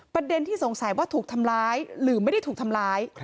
ประเด็นที่สงสัยว่าถูกทำร้ายหรือไม่ได้ถูกทำร้าย